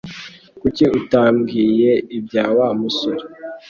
Kuki utambwiye ibya Wa musore?